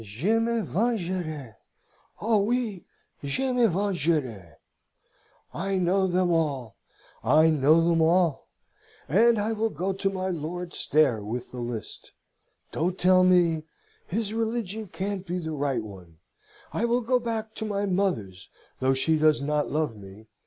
Je me vengerai, O oui, je me vengerai! I know them all: I know them all: and I will go to my Lord Stair with the list. Don't tell me! His religion can't be the right one. I will go back to my mother's though she does not love me.